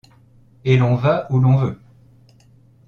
Et l’on va où l’on veut!